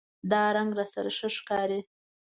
دا رنګ راسره ښه ښکاری